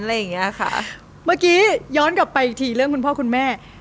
เราจะไม่รู้ไง